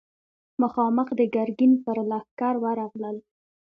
مخامخ د ګرګين پر لښکر ورغلل.